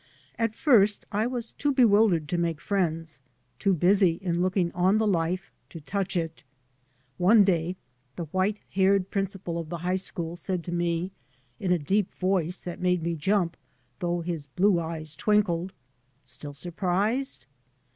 At first I was too bewildered to make friends, too busy in looking on the life to touch it. One day the 3 by Google MY MOTHER AND I white haired principal of the high school said to me in a deep voice that made me jump, though his blue eyes twinkled :" Still sur prised